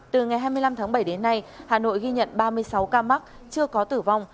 từ ngày hai mươi năm tháng bảy đến nay hà nội ghi nhận ba mươi sáu ca mắc chưa có tử vong